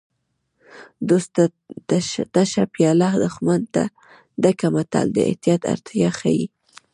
دوست ته تشه پیاله دښمن ته ډکه متل د احتیاط اړتیا ښيي